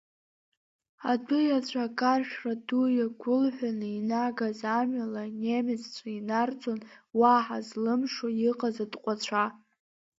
Адәы иаҵәа акаршәра ду иагәылҳәаны инагаз амҩала анемеццәа инарцон уаҳа злымшо иҟаз атҟәацәа.